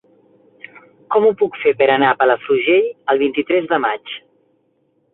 Com ho puc fer per anar a Palafrugell el vint-i-tres de maig?